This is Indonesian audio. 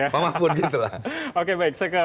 pak mahfud gitu lah oke baik saya ke